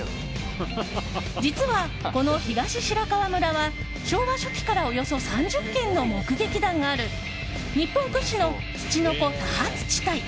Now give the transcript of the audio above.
実は、この東白川村は昭和初期からおよそ３０件の目撃談がある日本屈指のつちのこ多発地帯。